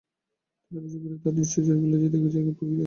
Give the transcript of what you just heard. তথাপি শীঘ্রই তা নিশ্চয় ঝেড়ে ফেলছি এবং দেখছি এর পরে কি আসে।